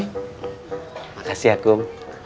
makasih ya tukgum